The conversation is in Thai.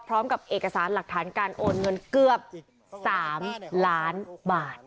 พร้อมกับเอกสารหลักฐานการโอนเงินเกือบ๓ล้านบาท